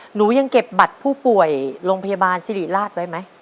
หนูยังเก็บบัตรผู้ป่วยโรงพยาบาลสิริราชไว้ไหม